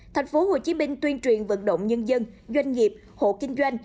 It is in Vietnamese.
thành phố hồ chí minh tuyên truyền vận động nhân dân doanh nghiệp hộ kinh doanh